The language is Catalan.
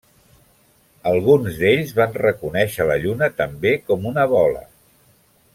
Alguns d'ells van reconèixer la Lluna també com una bola.